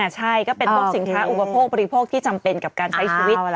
ใช่ก็เป็นพวกสินค้าอุปโภคบริโภคที่จำเป็นกับการใช้ชีวิต